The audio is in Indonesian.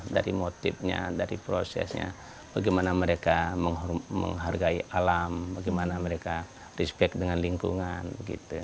dari motifnya dari prosesnya bagaimana mereka menghargai alam bagaimana mereka respect dengan lingkungan gitu